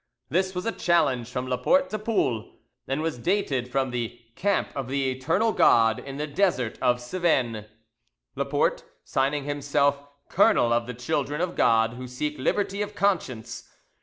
This was a challenge from Laporte to Poul, and was dated from the "Camp of the Eternal God, in the desert of Cevennes," Laporte signing himself "Colonel of the children of God who seek liberty of conscience."